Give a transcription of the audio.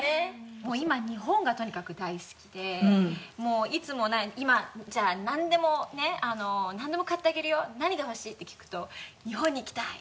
もう今日本がとにかく大好きでもういつも今じゃあなんでもねなんでも買ってあげるよ何が欲しい？って聞くと日本に行きたい！